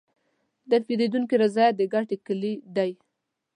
د پیرودونکي رضایت د ګټې کلید دی.